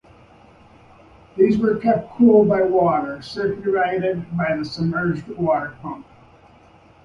These were kept cool by water circulated by a submerged water pump.